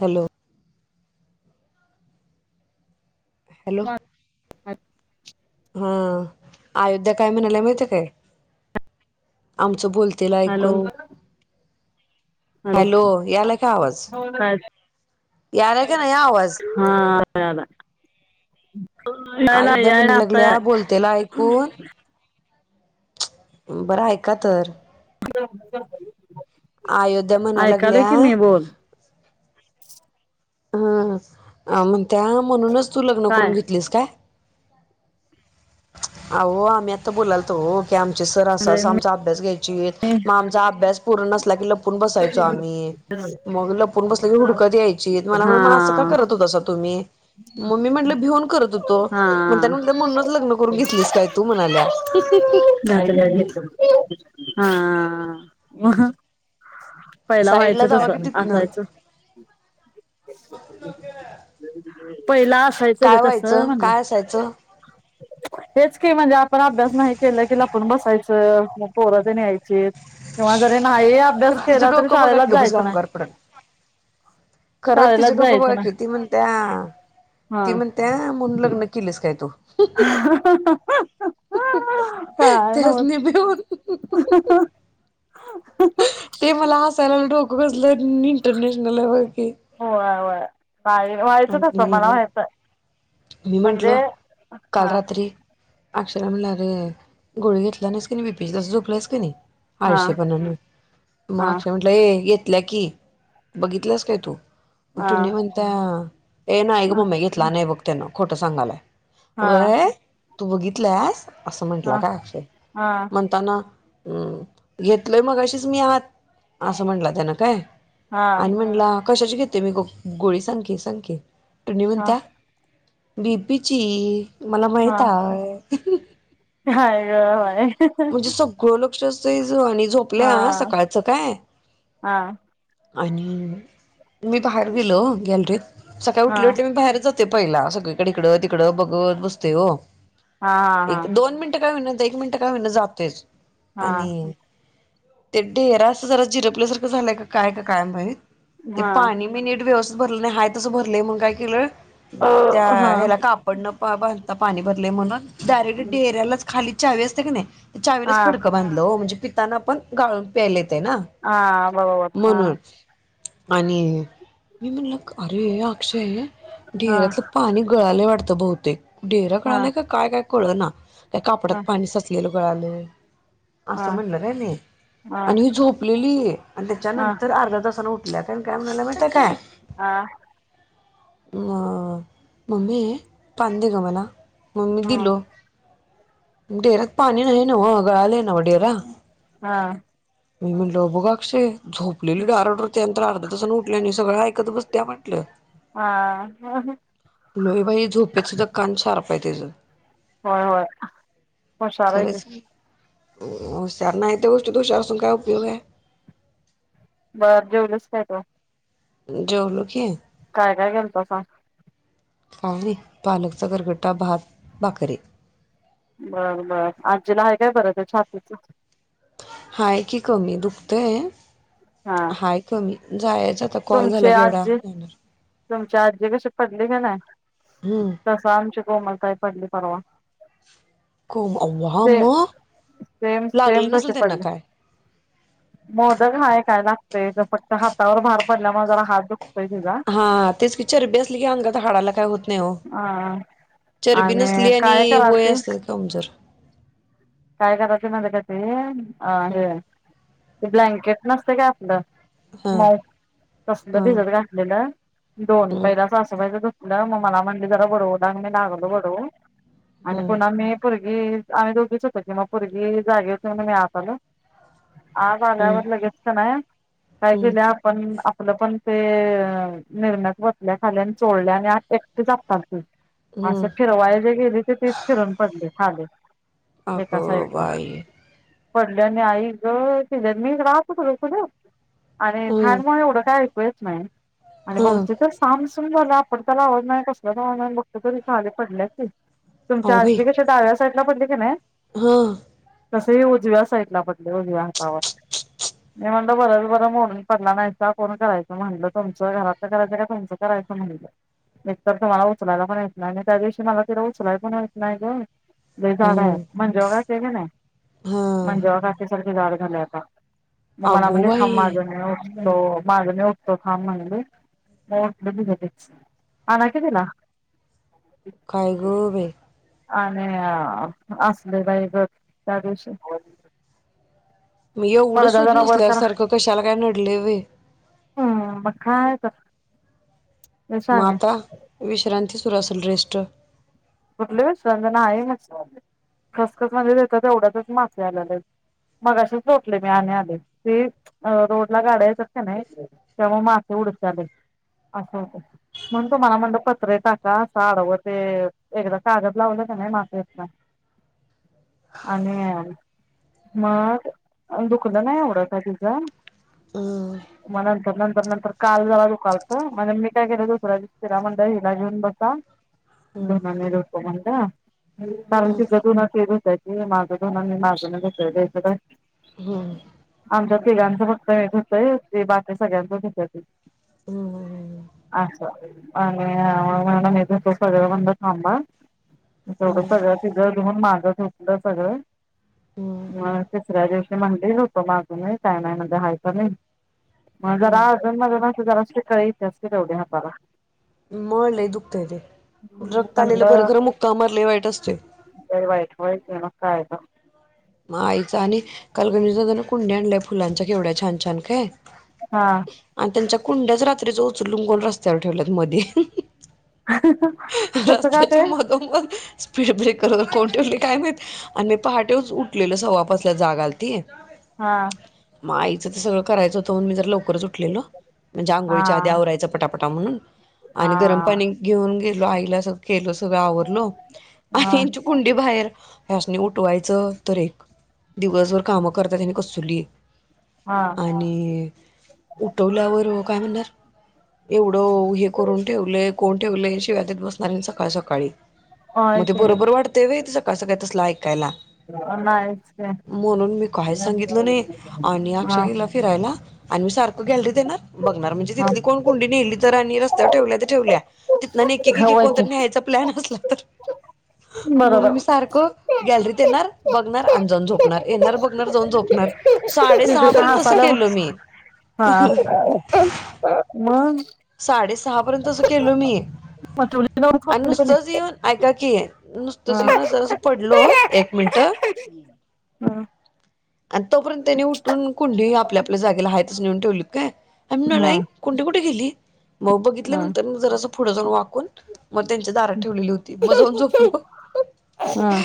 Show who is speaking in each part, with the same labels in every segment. Speaker 1: Hello hello
Speaker 2: हात
Speaker 1: हा अयोध्या काय म्हणायला माहिती काय आम बोलतेल
Speaker 2: हॅलो
Speaker 1: ऐकून हॅलो याला काय आवाज
Speaker 2: काय
Speaker 1: यायला आहे क नाहीआवाज
Speaker 2: बला [unintelligible]
Speaker 1: अयोध्या म्हणू लागल्या बोलतेल ऐकून बरं ऐका तर अयोध्या म्हणायला
Speaker 2: ऐकाल
Speaker 1: लागल्या
Speaker 2: की मी बोल
Speaker 1: हं म्हण त्या म्हणूनच तू लग्न
Speaker 2: काय
Speaker 1: करून घेतलीस काय अह आम्ही आता बोलाल तो आमचे सर अस
Speaker 2: मी
Speaker 1: आमचा अभ्यास घ्यायचे मग आमचा अभ्यास पूर्ण नला की लपून बसायचो आम्ही मग लपून बसल्या क हुडकत यायची
Speaker 2: हा
Speaker 1: मलाग असं का करत होत मी म्हटले भिऊन त
Speaker 2: हा
Speaker 1: मग त्या म्ह म्हणूनच लग्न करून घेतलीस काय तू म्हणाल्या [inaudible]
Speaker 2: हा पहिला व्हायचं
Speaker 1: साईडला जावा
Speaker 2: तस
Speaker 1: की तिथनं
Speaker 2: असठवायचं पहिला असायचं
Speaker 1: काय
Speaker 2: गत अस
Speaker 1: व्हायचं
Speaker 2: म्ह
Speaker 1: काय असायचं
Speaker 2: हेच क म्हणजे आपण अभ्यास नाही केला कि पण बसायचं पोरद न यायचे किंवा जरी नाही अभ्यास
Speaker 1: खरं तिचं
Speaker 2: केला तरी
Speaker 1: डोकं
Speaker 2: शाळेलाच जायचं नाही
Speaker 1: खरच
Speaker 2: शाळेलाच
Speaker 1: तिचं डोकं बघा
Speaker 2: जायचं
Speaker 1: की
Speaker 2: नाही
Speaker 1: ती म्हणत्या ती म्हणत्या म्हणून लग्न केलेस काय तू
Speaker 2: हं‌ हं
Speaker 1: त्याच निभे ते मला हसायला म डोक बसलं इंटरनॅशनल वर
Speaker 2: हो य व्हायचं कसं मला
Speaker 1: आणि
Speaker 2: व्हायचं म्हणजे हा
Speaker 1: अक्षर म्हणले रे गोळी घेतला नाहीस कने बीपीच तसंच झोपलंस कने
Speaker 2: हा
Speaker 1: आळशे पणा मग
Speaker 2: हा
Speaker 1: अक्षय म्हटल ये लक्की बघितलंस काय तू पण तू
Speaker 2: हा
Speaker 1: न म्हणता ए नाही ग
Speaker 2: हा
Speaker 1: मम्मी घेतला नाही बघ त्यांन खोटं
Speaker 2: हा
Speaker 1: सांगालाय तू बघितलंस असं म्हंटला
Speaker 2: हा
Speaker 1: काय अक्षय
Speaker 2: हा
Speaker 1: म्हणताना हम् घेतलोय मग अशीच मी आहात असं म्हटलं त्यान काय आणि
Speaker 2: हा
Speaker 1: म्हटला कशाची घेते मी गोळी सांग की सांग की हेनि म्हणता बीपीची मला माहित
Speaker 2: हा
Speaker 1: आहे
Speaker 2: हा
Speaker 1: म्हणजे सगळ लक्ष असतय आणि
Speaker 2: हा
Speaker 1: झोपल्या सकाळचं काय
Speaker 2: हा
Speaker 1: आणि मी बाहेर गेलो गॅलरीत सकाळी
Speaker 2: हा
Speaker 1: उठले उठले मी बाहेर जातो पहिला सगळीकडे इकडं तिकडं बघत बसते हो
Speaker 2: हा
Speaker 1: एक
Speaker 2: हा
Speaker 1: दोन मिनटं क होईना एक मिनिट काय होईना जातोयच
Speaker 2: हा
Speaker 1: आणि ते ढडेरा अस जरा झिरपल्यासारखं झालाय काय काय माहित ते
Speaker 2: हा
Speaker 1: पाणी मी नीट व्यवस्थित भरलं नाही हाय तसं भरलंय मग काय केलं त्या
Speaker 2: हा
Speaker 1: ह्याला कापड न भरता पाणी भरले म्हणून डायरेक्ट डेऱ्यालाच खाली चावी असते की नाही तर चावीलाच
Speaker 2: हा
Speaker 1: फडकं बांधलं म्हणजे पिताना पण गाळून प्यायले चलतय ना
Speaker 2: हा बरोबर हा
Speaker 1: म्हणून आणि मी म्हणल अरे अक्षय
Speaker 2: हा
Speaker 1: डेऱ्यातलं पाणी गळालं वाटतं बहुतेक डेरा
Speaker 2: हा
Speaker 1: गळालाय का काय काय कळ ना काय कापडात
Speaker 2: हा
Speaker 1: पाणी साचलेलं गळालं
Speaker 2: हा
Speaker 1: असं म्हणलं रे न
Speaker 2: हा हा
Speaker 1: आणि ही झोपलेली आणि
Speaker 2: हा
Speaker 1: त्याच्यानंतर अर्धा तासन उठ ल्या आणि काय म्हणाल्या माहीत हाय काय
Speaker 2: हा
Speaker 1: म मम्मी पाणी दे ग मला मग मी दिलो डेरात पाणी नाही नव गळालय नव डेरा
Speaker 2: हा
Speaker 1: मी म्हटलं बघा अक्षय झोपलेली डार डोर त्यानंतर अर्धा तासन उठल्याने सगळं ऐकतच बस त्या म्हटलं
Speaker 2: हा
Speaker 1: लोहेबाई झोप्यात सुद्धा कान शार प हायत तीज
Speaker 2: होय होय हुशार हाय ती
Speaker 1: हूशार नाय त्या गोष्टीत असून काय उपयोग
Speaker 2: बरं जेवलीस काय तू
Speaker 1: जेवलो की.
Speaker 2: काय काय केेल त सांग
Speaker 1: आम्ही पालकचा गरगट्टा भात भाकरीे
Speaker 2: बरं बर आजीला हाय काय बरं आहे छातीच
Speaker 1: हाय की कमी दुखतंय
Speaker 2: हा
Speaker 1: हाय कमी जायचं आता कॉल झाला
Speaker 2: तुमची
Speaker 1: की एवढा
Speaker 2: आजी
Speaker 1: जाणारं
Speaker 2: तुमची आजी कशी पडली का नाही
Speaker 1: हम्म
Speaker 2: तस आमची कोमलताई पडली परवा
Speaker 1: कोम अव्वा म
Speaker 2: सेम सेम
Speaker 1: लागलं नसेल
Speaker 2: तशे
Speaker 1: त्यांना
Speaker 2: पडले
Speaker 1: काय.
Speaker 2: दादा हायला ते तर फक्त हातावर भार पडल्यामुळे जरा हात दुखतोय तीझा
Speaker 1: हा तेच चरबी असली की अंगात हाडाला काही होत नाही ओ
Speaker 2: अ
Speaker 1: चरबी नसली आणि
Speaker 2: काय
Speaker 1: वय
Speaker 2: करालती
Speaker 1: असते कमजोर
Speaker 2: काय करायचं माहिती का ते अ
Speaker 1: हम्म
Speaker 2: हे ते ब्लँकेट नसते काय आपलं
Speaker 1: हा
Speaker 2: म तसलं
Speaker 1: हा
Speaker 2: भिजत घातलेलं दोन
Speaker 1: हम्म
Speaker 2: पहिलाच सासूबाई च धू टला मग मला म्हणली जरा बडवू लाग मी लागलो बडवू आणि
Speaker 1: हम्म
Speaker 2: पुन्हा मी पोरगी हम्म् आम्ही दोघीच होतो कि म पुर्गी जागी हुती म्हणू मी आत आलो. आज
Speaker 1: हम्म
Speaker 2: आल्यावर लगेच कनाय काय
Speaker 1: हम्म
Speaker 2: केल्या आपण आप पलं पण ते निरम्यात वतल्या खाली आणि चोलल्या आणि आ एकटीच आपटालती. असं
Speaker 1: हम्म
Speaker 2: फिरवाय जे गेली ते तेच फिरून पडली खाली
Speaker 1: अग बाई
Speaker 2: पडल्या आणि आई ग किल्या, मी हिकडं आत [unintelligible] आणि
Speaker 1: हम्म
Speaker 2: फॅनमुळ एवढं काय ऐकू येत नाई आणि
Speaker 1: हम्म
Speaker 2: बघतोय तर सामसु सुम झाल आपटत्याला आवाज नाई, कसला [unintelligible] बघतोय तर ही खाली पडल्या की तुमच्या आजी कशा डाव्या साईटला पडली कनाय
Speaker 1: ह.
Speaker 2: तस ही उजव्या साईटला पडली, उजव्या हातावर मी म्हणलं बरच बरं मोडून पडला नाइसा, कोण करायचं म्हणलं तुमचं, घरातलं करायचं काय तुमचं करायचं म्हणलं एकतर तुम्हाला उचलायला पण येत नाही आणि त्या दिवशी मला तिला उचलाय पण येत नाही ग लई जाड हाय,
Speaker 1: हम्म
Speaker 2: मंजुळा काकी आय कनाय,
Speaker 1: हा
Speaker 2: मंजुळा काकी सारखी जाड झाल्या आता मग मला
Speaker 1: अगो
Speaker 2: म्हणली
Speaker 1: बाई
Speaker 2: थांब माझं मी उठतो, माझं मी उठतो थांब म्हणली. म उठली तिज तिच, आणा की तिला
Speaker 1: काय ग बई
Speaker 2: आणि असली बाई गत त्या दिवशी [unintelligible]
Speaker 1: मग एवढं
Speaker 2: पडदा
Speaker 1: शुद्ध
Speaker 2: जरा वर
Speaker 1: नसल्यासारखं कशाला काय नडलय वय
Speaker 2: उम्म [unintelligible]
Speaker 1: म आता विश्रांती सुरू असेल, रेस्ट
Speaker 2: कुठली वि [unintelligible] नाही [unintelligible] खसखस मध्ये देत्या तेवढ्यातच [unintelligible] आलेल मगाशिच लोटले मी आणि आले, ती रोड ला गाड्या येत्यात कनाय तेव्हा मास [unintelligible] अस होतय म्हणू तुम्हाला म्हणल पत्रे टाका अस आडवं ते एकदा कागद लावलं कनाय माती येत नाय आणि मग अ दुकलं नाई एवढं काय तिज
Speaker 1: [unintelligible]
Speaker 2: मग नंतर नंतर नंतर काल जरा दुकालत, [unintelligible] मी काय केलं दुसऱ्या दिवशी तिला म्हणलं हिला घेऊन बसा [unintelligible]
Speaker 1: [unintelligible]
Speaker 2: धून मी धुतो म्हणलं. [unintelligible] कारण
Speaker 1: हम्म
Speaker 2: तिचं धुणं ती धुत्या ती, माझं धुन मी माझं मी धुतोय ग हिकडं
Speaker 1: हम्म
Speaker 2: आमच्या तिघांचं फक्त हे धुतंय, ते बाकी सगळ्यांच धुत्या ती
Speaker 1: हम्म
Speaker 2: अस आणी मी [unintelligible] मी धुतो सगळ म्हणलं थांब अ तेवढं
Speaker 1: हम्म
Speaker 2: सगळ तिज धुन माझं धुतलं सगळं
Speaker 1: हम्म
Speaker 2: म तिसऱ्या दिवश् ती म्हणली धुतो माझं मी, काय नाय म्हणली हाय कमी, म जरा
Speaker 1: हम्म
Speaker 2: अजून माझ [unintelligible] ती जरा [unintelligible] कळ इत्याच की तेवढी हाताला
Speaker 1: म लई दुखतंय ते रक क्त आलेलं
Speaker 2: म्हणलं
Speaker 1: बरं खरं मुक्का मार लय वाईट असतोय.
Speaker 2: लय वाईट होय की मग काय [unintelligible]
Speaker 1: म आईच्या आणि काल गणेश दादा न कुंड्या आणल्या फुलांच्या केवढ्या छान छान काय
Speaker 2: हा
Speaker 1: आणि त्यांच्या कुंड्याच रात्रीचं उचलुन कोन रस्त्यावर ठेवल्यात मधी
Speaker 2: कसं काय ते
Speaker 1: रस्त्याच्या मधोमध स्पीड ब्रेकर वर कोन ठेवलंय काय माहीत आणि मी पहाटेच उ उठलेलं सव्वा पाचला जाग आलती
Speaker 2: हा.
Speaker 1: म आईचं त सगळं करायचं होतं म्हणून मी जरा लव करच उठलेलो म्हणजे
Speaker 2: हा
Speaker 1: आंगोळीच्या आधी आवरायचं पटापटा म्हणून
Speaker 2: हा
Speaker 1: आणि गरम पाणी घेऊन गे लो आईला सग केलं सगळ आवरलो आणि
Speaker 2: हा
Speaker 1: ह्यांची कुंडी बाहेर ह्यासनी उठवायचं तर एक दिवसभर काम करत्यात ह्यानी कसली
Speaker 2: हा
Speaker 1: आणि उठवल्यावर काय म्हणणार एवढं हे करून ठेवलंय, कोण ठेवलंय, शिव्यादेत बसणार आणि सकाळ सकाळी.
Speaker 2: होय
Speaker 1: मं ते
Speaker 2: की
Speaker 1: बरोबर वाटतंय व्हय, ते सकाळ सकाळी तसलं ऐकायला.
Speaker 2: नाहीच की
Speaker 1: म्हणून मी काहिच सांगितलो नाई, आणि अक्षय
Speaker 2: हा
Speaker 1: गेला फिरायला. आणि मी सारखं गॅलरीत येणार बघणार म्हणजे,
Speaker 2: हा
Speaker 1: तिथली कोण कुंडी न्हेली तर, आणि रसत्यावर ठेवल्या ते ठेवल्या तिथनं आणि एक एक
Speaker 2: होय
Speaker 1: कोण
Speaker 2: की
Speaker 1: तर न्हयचा प्लॅन आसला तर.
Speaker 2: बरोबर.
Speaker 1: म्हणून मी सारखं गॅलरीत येणार, बघणार, आणि जाऊन झोपणार, येणार बघणार जाऊन झोपणार. साडेसाहा पर्यंत तसं केलं मी.
Speaker 2: हां. मं.
Speaker 1: साहा पर्यंत तसं केल मी
Speaker 2: ठेवली नव्हत
Speaker 1: आणि
Speaker 2: कोणी कोणी
Speaker 1: नुसतंच येऊन ऐकाकी. की
Speaker 2: हा
Speaker 1: नुसतंच येऊन असं जरासं पडलो, एक मिनटं आणि तोपर्यंत त्यानी उठून कुंडी आपल्या आपल्या जागेला हाय तसं न्हेऊन ठेवलीत काय.
Speaker 2: हा
Speaker 1: [unintelligible] कुंडी कुठं गेली? मग
Speaker 2: हा
Speaker 1: बघितल्यानंतर मं जरास पुढं जाऊन वाकून म त्यांच्या दारात ठेवलेली होती म जाऊन झोपलो. [inaudible]
Speaker 2: हां.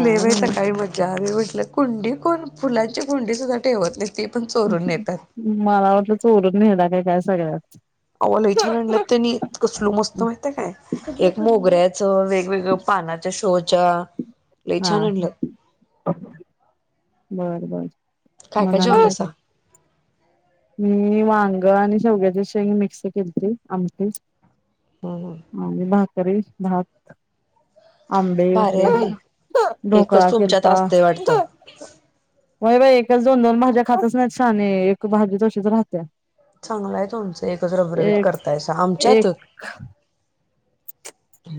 Speaker 1: लय बाई सकाळी मज्जा आली म्हटलं कुंडी कोण फुलांची कुंडी सुद्धा ठेवत नाई.
Speaker 2: मला वाटलं चोरून न्हेल्य क काय सगळ्या.
Speaker 1: आवा लई छान आणल्यात तेनी, कसलं मस्त म्हयत्याय काय एक मोगऱ्या तं वेगवेगळं पाण्याच्या शोच्या लय
Speaker 2: हा
Speaker 1: छान आणल्यात.
Speaker 2: बर बर
Speaker 1: काय काय जेवलासा
Speaker 2: [unintelligible] मी वांग आणि शेवग्याच्या शेंग मिक्स केलीती आमटीत.
Speaker 1: हम्म
Speaker 2: आणि भाकरी भात. आंबे
Speaker 1: भारी
Speaker 2: होते,
Speaker 1: आहे बाई
Speaker 2: ढोकळा
Speaker 1: एकच तुमच्यात
Speaker 2: केलता.
Speaker 1: असतंय वाटतं
Speaker 2: व्हय बाई एकच दोन दोन भाज्या खातच नाहीत शाहने एक भाजी तशीच ऱ्हात्या.
Speaker 1: चांगलाय तूमचं एकच रबरबीत
Speaker 2: एक
Speaker 1: करतायसा,
Speaker 2: एक
Speaker 1: आमच्यातं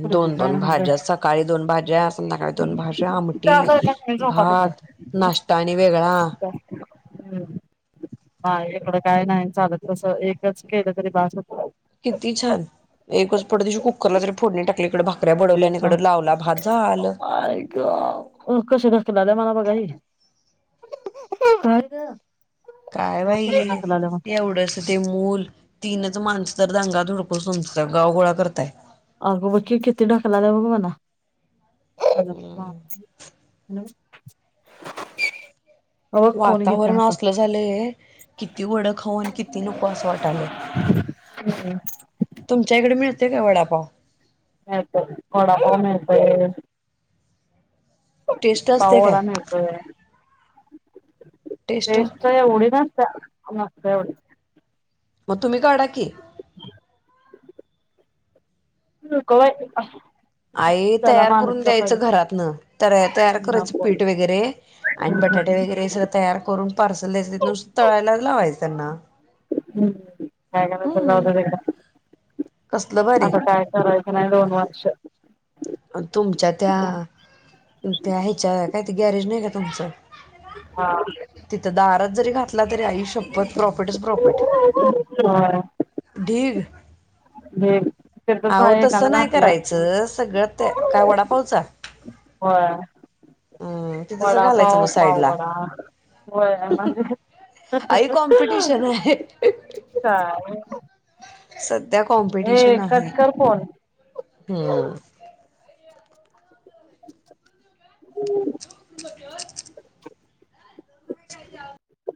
Speaker 2: पोरगी
Speaker 1: दोन
Speaker 2: काय
Speaker 1: दोन
Speaker 2: म्हणत्या
Speaker 1: भाज्या सकाळी दोन भाज्या संध्याकाळी दोन भाज्या आमटी
Speaker 2: झोपा तिकडं
Speaker 1: भात नास्टा आणि वेगळा.
Speaker 2: हम्म, हा इकडं काय नाही चालत तस एकच केलं तरी बास होतं.
Speaker 1: किती छान, एकच पट दिशी कुकरला जरी फोडनी टाकली इकडं भाक
Speaker 2: ए थांब आई ग कस ढकलल्या मला बघा काय गं?
Speaker 1: काय बाई एवढंस ते मूल तीनच माणसं तर दांगा धुडकूस पतं संस्था गावगोळा करताय.
Speaker 2: अगं बघ की ह [unintelligible]
Speaker 1: वातावरण असलं झालंय, किती वड खाऊ आणि किती नको असं वाटलंय
Speaker 2: होम् [unintelligible] [inaudible]
Speaker 1: तुमच्या इकडे मिळतय का वडापाव?
Speaker 2: मिळतो, वडापाव मिळतो
Speaker 1: टेस्ट
Speaker 2: पाव
Speaker 1: असते काय
Speaker 2: वडा मिळतोय. टेस्ट एवढी नसत्या नसत्या एवढी
Speaker 1: मग तुम्ही काडा की
Speaker 2: नको बाई
Speaker 1: आई
Speaker 2: त्याला
Speaker 1: तयार करून
Speaker 2: माणूसला
Speaker 1: द्यायचं
Speaker 2: पाहिजे
Speaker 1: घरातन, तयार करायचं
Speaker 2: नको.
Speaker 1: पीठ वगैरे आणि ब बटाटे वगैरे, सगळं तयार करून पार्सल द्यायच तिथंन नुसत तळायलाच लावायचं त्यांना.
Speaker 2: हम्म काय नई बाई जाऊदे तिकड [unintelligible]
Speaker 1: कसलं भारी
Speaker 2: आता काय करायच नाही दोन वर्ष
Speaker 1: तुमच्या त्या, त्या ह्याच्या काय ते गॅरेज नाही काय तुमचं
Speaker 2: हा.
Speaker 1: तिथं दारात जरी घातला तरी आई शपथ प्रॉफिटच प्रॉफिट
Speaker 2: होय
Speaker 1: ढीग
Speaker 2: हे तिथंच
Speaker 1: अहो
Speaker 2: हाय
Speaker 1: तस
Speaker 2: एकानं
Speaker 1: नाही
Speaker 2: घातलाय
Speaker 1: करायचं. सगळं त्या, काय वडापावचा?
Speaker 2: होय.
Speaker 1: हम्म तिथंच
Speaker 2: वडा
Speaker 1: घालायचं
Speaker 2: पाव
Speaker 1: मग
Speaker 2: पाव
Speaker 1: साईडला.
Speaker 2: वडा होय म्हणजे?
Speaker 1: आई कॉम्पिटिशन आहे
Speaker 2: हा हा ह. हं.
Speaker 1: सध्या कॉम्पिटिशन आहे.
Speaker 2: कट कर फोन.
Speaker 1: हम्.
Speaker 2: हम्.
Speaker 1: [unintelligible]